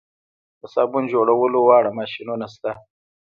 د صابون جوړولو واړه ماشینونه شته